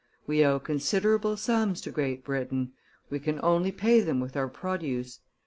We owe considerable sums to Great Britain; we can only pay them with our produce.